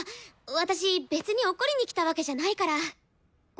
私別に怒りに来たわけじゃないから！